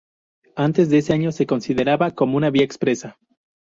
Antes de ese año se consideraba como una vía expresa.